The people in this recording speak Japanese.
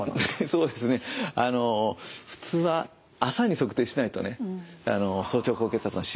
そうですねあの普通は朝に測定しないとね早朝高血圧の診断ってつかないんですね。